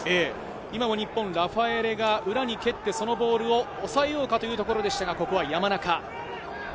今も日本、ラファエレが裏に蹴って、そのボールを抑えようかというところでしたが、ここは山中。